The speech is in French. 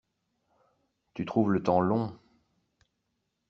Tu trouves le temps long.